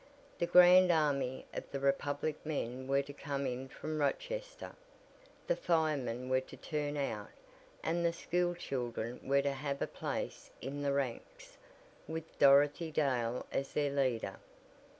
The Grand Army of the Republic men were to come in from Rochester, the firemen were to turn out, and the school children were to have a place in the ranks, with Dorothy Dale as their leader.